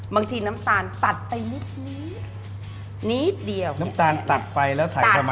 น้ำตาลตัดไปนิดนิดนิดเดียวน้ำตาลตัดไปแล้วใส่กลับมา